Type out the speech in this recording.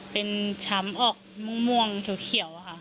เป็นช้ำออกม่วงเขียวค่ะ